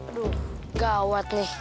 aduh gawat nih